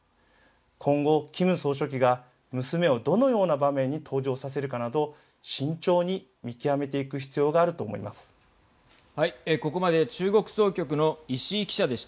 今後、キム総書記が娘をどのような場面に登場させるかなど慎重に見極めていく必要があると思います。